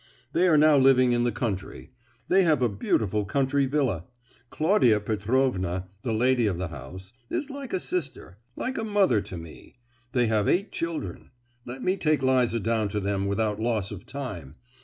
They are now living in the country—they have a beautiful country villa; Claudia Petrovna, the lady of the house, is like a sister—like a mother to me; they have eight children. Let me take Liza down to them without loss of time!